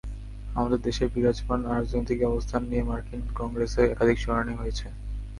আমাদের দেশের বিরাজমান রাজনৈতিক অবস্থান নিয়ে মার্কিন কংগ্রেসে একাধিক শুনানি হয়েছে।